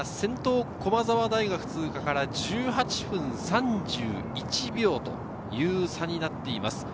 先頭・駒澤大学通過から１８分３１秒という差になっています。